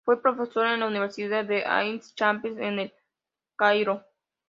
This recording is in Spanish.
Fue profesora en la Universidad de Ain Shams, en El Cairo.